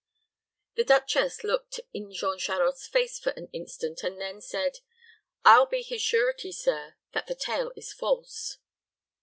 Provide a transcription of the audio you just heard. The duchess looked in Jean Charost's face for an instant, and then said, "I'll be his surety, sir, that the tale is false."